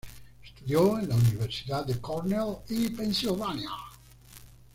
Estudió en la Universidades de Cornell y Pensilvania.